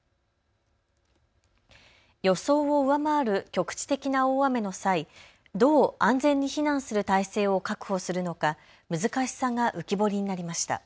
予想を上回る局地的な大雨の際、どう安全に避難する態勢を確保するのか難しさが浮き彫りになりました。